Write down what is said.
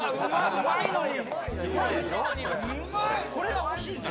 うまいのに。